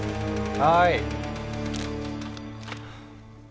はい。